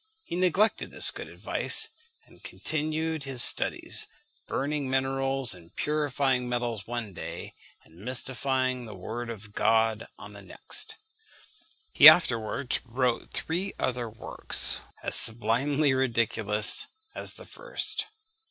He neglected this good advice, and continued his studies; burning minerals and purifying metals one day, and mystifying the Word of God on the next. He afterwards wrote three other works, as sublimely ridiculous as the first.